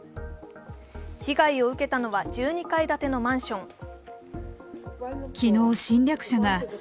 被害を受けたのは１２階建てのマンション。